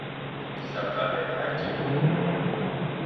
سفر حج